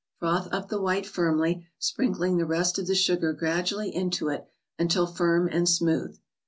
Froth up the white firmly, sprinkling the rest of the sugar gradually into it, until firm and smooth.